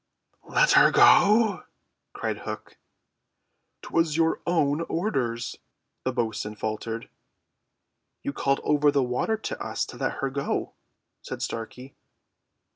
"Let her go!" cried Hook. "'Twas your own orders," the bo'sun faltered. "You called over the water to us to let her go," said Starkey.